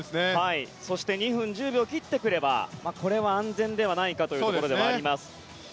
そして２分１０秒切ってくればこれは安全ではないかというところではあります。